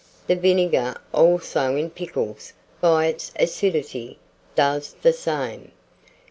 The vinegar also in pickles, by its acidity, does the same.